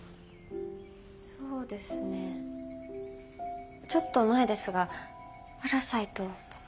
そうですねちょっと前ですが「パラサイト」とか。